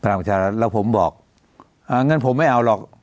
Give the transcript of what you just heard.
พลังประชารัฐแล้วผมบอกอ่างั้นผมไม่เอาหรอก